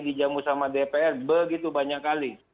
dijamu sama dpr begitu banyak kali